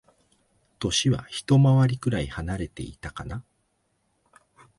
歳はひと回りくらい離れてたかな。